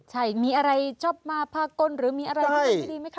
ใช่มีอะไรชอบมาภาคกลหรือมีอะไรไม่ดีไม่ค่ะ